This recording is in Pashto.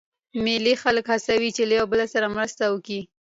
مېلې خلک هڅوي، چي له یو بل سره مرسته وکي.